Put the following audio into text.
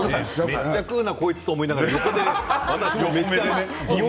めっちゃ食うなこいつと思って、横でね。